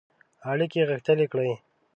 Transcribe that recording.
اړیکي غښتلي کړي.